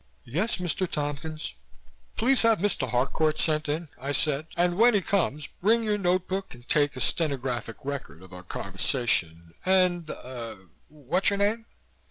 "Yes, Mr. Tompkins?" "Please have Mr. Harcourt sent in," I said, "And when he comes, bring your notebook and take a stenographic record of our conversation and er what's your name?"